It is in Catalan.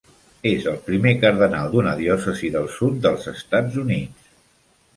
És el primer cardenal d'una diòcesi del sud dels Estats Units.